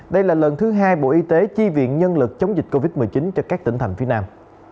đây là lần thứ hai bộ y tế chi viện nhân lực chống dịch covid một mươi chín cho các tỉnh thành phía nam